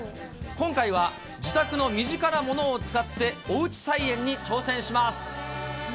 今回は、自宅の身近なものを使って、おうち菜園に挑戦します。